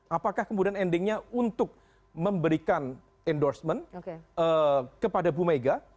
apakah kemudian endingnya untuk memberikan endorsement kepada bumega